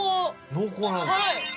濃厚なんだ。